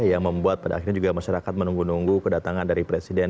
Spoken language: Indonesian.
yang membuat pada akhirnya juga masyarakat menunggu nunggu kedatangan dari presiden